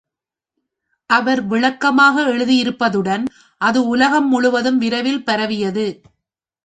அவர் விளக்கமாக எழுதியிருப்பதுடன், அது உலகம் முழுவதும் விரைவில் பரவியது!